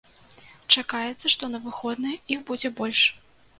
Чакаецца, што на выходныя іх будзе больш.